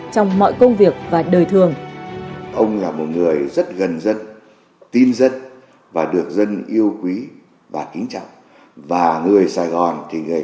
cảm ơn các bạn đã theo dõi và hẹn gặp lại